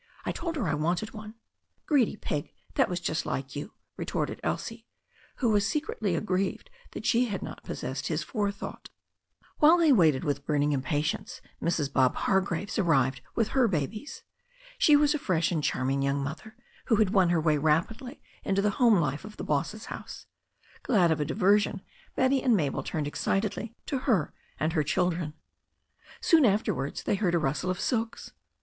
"I told her I wanted one." "Greedy pig I That was just like you," retorted Elsie, who was secretly aggrieved that she had not possessed his forethought. While they waited with burning impatience, Mrs. Bob Hargraves arrived with her babies. She was a fresh and charming young mother, who had won her way rapidly into the home life of the boss's house. Glad of a diversion, Betty and Mabel turned excitedly to her and her children. Soon afterwards they heard a rustle of silks.